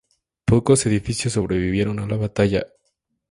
Pocos edificios sobrevivieron a la batalla.